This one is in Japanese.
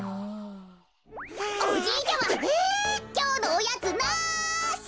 おじいちゃまきょうのおやつなし！